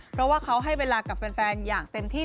เพราะว่าเขาให้เวลากับแฟนอย่างเต็มที่